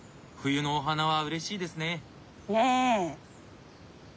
冬のお花はうれしいですね。ね。